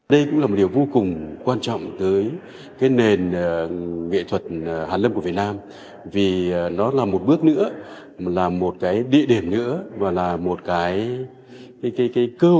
đây cũng là một điều vô cùng quan trọng tới cái nền nghệ thuật hàn lâm của việt nam vì nó là một bước nữa là một cái địa điểm nữa và là một cái cơ hội nữa để chúng ta tiếp nhận thêm những cái sự